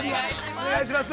◆お願いします。